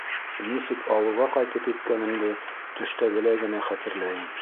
Нисек ауылға ҡайтып еткәнемде төштәгеләй генә хәтерләйем...